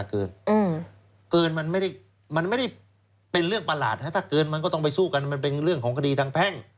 เกินมันไม่ได้มันไม่ได้เป็นเรื่องประหลาดถ้าเกินมันก็ต้องไปสู้กันมันเป็นเรื่องของคดีทางแพ่ง